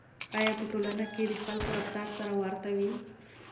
آیا په یوه ټولنه کې د خلکو رفتار سره ورته وي؟